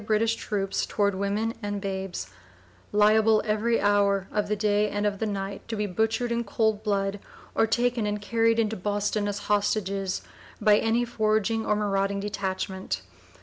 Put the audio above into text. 003) British troops toward women and babes, "liable every hour of the day and of the night to be butchered in cold blood, or taken and carried into Boston as hostages, by any foraging or marauding detachment."